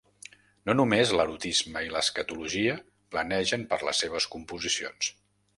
No només l'erotisme i l'escatologia planegen per les seves composicions.